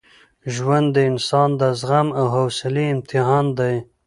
ژوند د انسان د زغم او حوصلې امتحان دی.